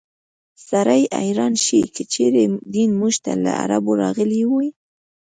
سړی حیران شي که چېرې دین موږ ته له عربو راغلی وي.